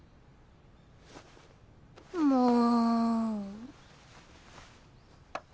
もう。